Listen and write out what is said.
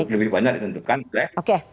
lebih banyak ditentukan oleh